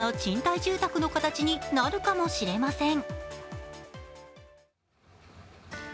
新たな賃貸住宅の形になるかもしれません。